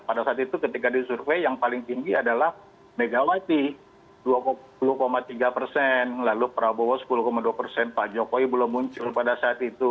pada saat itu ketika disurvey yang paling tinggi adalah megawati dua puluh tiga persen lalu prabowo sepuluh dua persen pak jokowi belum muncul pada saat itu